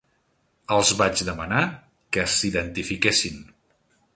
Els vaig demanar que s’identifiquessin.